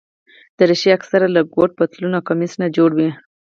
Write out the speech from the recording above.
دریشي اکثره له کوټ، پتلون او کمیس نه جوړه وي.